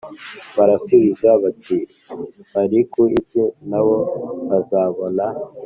Barasubiza bati bari ku isi nabo bazabona